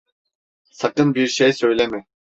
Sakın bir şey söyleme.